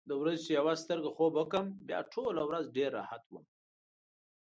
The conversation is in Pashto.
د ورځې چې یوه سترګه خوب وکړم، بیا ټوله ورځ ډېر راحت وم.